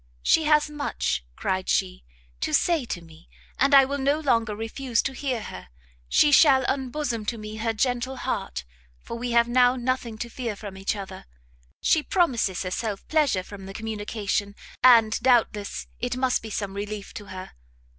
"She has much," cried she, "to say to me, and I will no longer refuse to hear her; she shall unbosom to me her gentle heart, for we have now nothing to fear from each other. She promises herself pleasure from the communication, and doubtless it must be some relief to her.